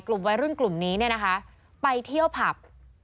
กลุ่มวัยรุ่นกลุ่มนี้เนี่ยนะคะไปเที่ยวผับ